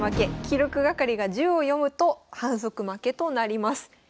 記録係が１０を読むと反則負けとなります。